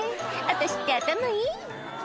「私って頭いい」